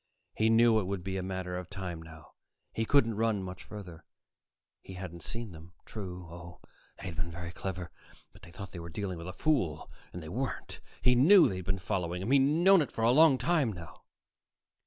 He knew it would be a matter of time now. He couldn't run much farther. He hadn't seen them, true. Oh, they had been very clever, but they thought they were dealing with a fool, and they weren't. He knew they'd been following him; he'd known it for a long time now.